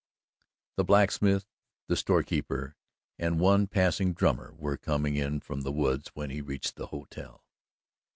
The blacksmith, the storekeeper and one passing drummer were coming in from the woods when he reached the hotel.